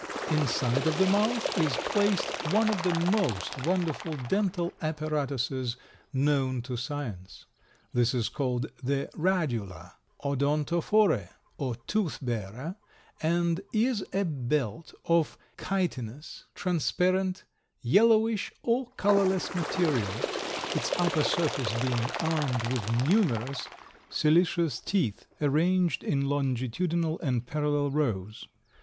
Inside of the mouth is placed one of the most wonderful dental apparatuses known to science. This is called the radula, odontophore or tooth bearer, and is a belt of chitinous, transparent, yellowish or colorless material, its upper surface being armed with numerous siliceous teeth arranged in longitudinal and parallel rows.